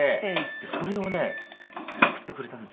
でそれをね贈ってくれたんですよ。